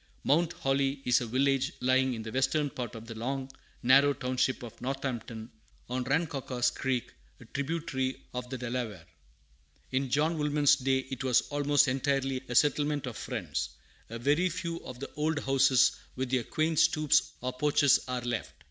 [Mount Holly is a village lying in the western part of the long, narrow township of Northampton, on Rancocas Creek, a tributary of the Delaware. In John Woolman's day it was almost entirely a settlement of Friends. A very few of the old houses with their quaint stoops or porches are left.